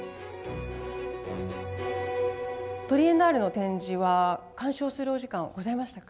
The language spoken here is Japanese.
トリエンナーレの展示は鑑賞するお時間はございましたか？